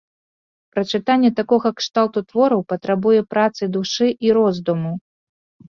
Прачытанне такога кшталту твораў патрабуе працы душы і роздуму.